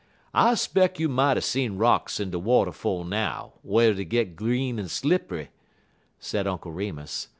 "I 'speck you moughter seen rocks in de water 'fo' now, whar dey git green en slipp'y," said Uncle Remus.